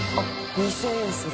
２０００円する。